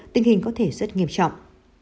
tình hình có thể rất nghiêm trọng